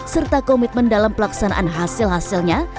serta komitmen dalam pelaksanaan hasil hasilnya